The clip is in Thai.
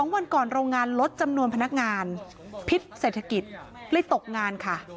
วันก่อนโรงงานลดจำนวนพนักงานพิษเศรษฐกิจเลยตกงานค่ะ